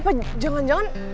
masuk kuliah dulu